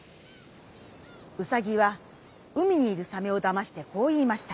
うさぎは海にいるサメをだましてこう言いました。